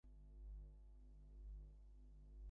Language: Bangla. নিহতদের অধিকাংশই সনাতন ধর্মাবলম্বী।